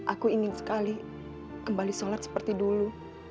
aku ingin sekali kembali sholat seperti dulu